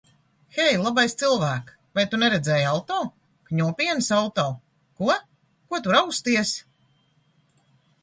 Hei, labais cilvēk! Vai tu neredzēji auto? Kņopienes auto. Ko? Ko tu rausties?